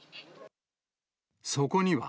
そこには、